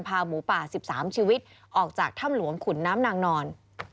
หมูป่า๑๓ชีวิตออกจากถ้ำหลวงขุนน้ำนางนอน